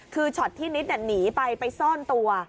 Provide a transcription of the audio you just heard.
คือช็อตที่นิดหนีไปไปซ่อนตัว